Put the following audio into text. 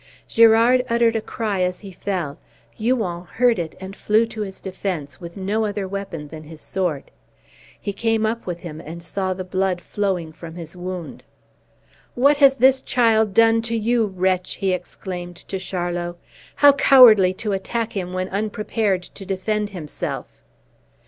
Girard uttered a cry as he fell; Huon heard it, and flew to his defence, with no other weapon than his sword. He came up with him, and saw the blood flowing from his wound. "What has this child done to you, wretch!" he exclaimed to Charlot. "How cowardly to attack him when unprepared to defend himself!"